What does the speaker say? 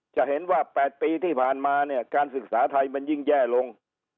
จะเห็นว่า๘ปีที่ผ่านมาเนี่ยการศึกษาไทยมันยิ่งแย่ลง